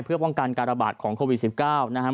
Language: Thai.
เพื่อป้องกันการระบาดของโควิดสิบเก้านะฮะ